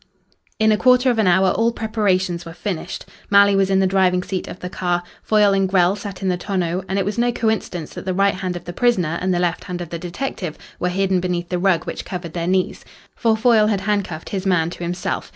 In a quarter of an hour all preparations were finished. Malley was in the driving seat of the car. Foyle and Grell sat in the tonneau, and it was no coincidence that the right hand of the prisoner and the left hand of the detective were hidden beneath the rug which covered their knees. For Foyle had handcuffed his man to himself.